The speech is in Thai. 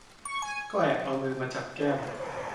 ก็แอบเอามือมาจับแก้ม